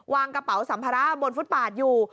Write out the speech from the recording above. วางกระเป๋าสัมภาระบนฟุตปาดอยู่